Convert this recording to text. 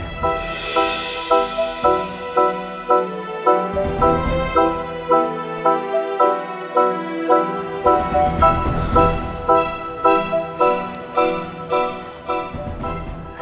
oke gue kesana sekarang ya